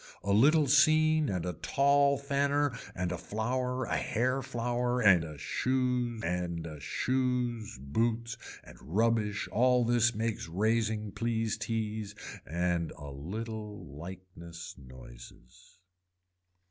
A little scene and a tall fanner and a flower a hair flower and a shoes and a shoes boots and rubbish all this makes raising please tease and a little likeness noises.